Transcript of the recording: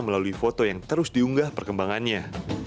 melalui foto yang terus diunggah perkembangannya